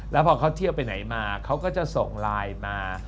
แล้วพอเขาเที่ยวไปไหนมาเขาก็จะส่งไลน์มา